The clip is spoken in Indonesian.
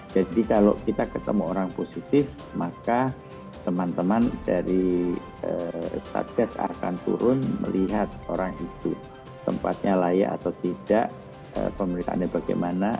jadi kalau kita ketemu orang positif maka teman teman dari satgas akan turun melihat orang itu tempatnya layak atau tidak pemerintahannya bagaimana